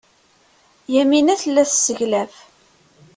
Yamina tella tesseglaf.